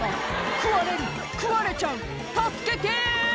「食われる食われちゃう助けて！」